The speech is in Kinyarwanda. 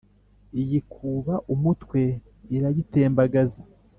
iyikuba umutwe irayitembagaza